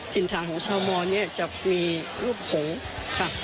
ถิ่นฐานของชาวมอนเนี่ยจะมีรูปหงค่ะ